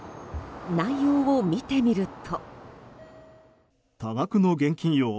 内容を見てみると。